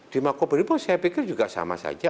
di mako brimob saya pikir juga sama saja